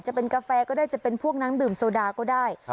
จะเป็นกาแฟก็ได้จะเป็นพวกน้ำดื่มโซดาก็ได้